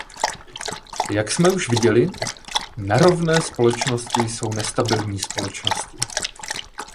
Jak jsme už viděli, nerovné společnosti jsou nestabilní společnosti.